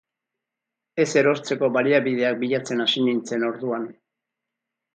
Ez erortzeko baliabideak bilatzen hasi nintzen orduan.